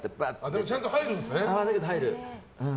でも、ちゃんと入るんですね。